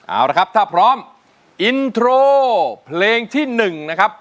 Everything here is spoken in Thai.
เอาละครับถ้าพร้อมอินโทรเพลงที่๑นะครับ